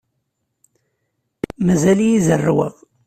Mazal-iyi zerrweɣ.